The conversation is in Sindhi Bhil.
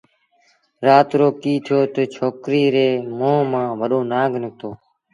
رآت رو ڪيٚ ٿيو تا ڇوڪريٚ ري مݩهݩ مآݩ وڏو نآݩگ نکتو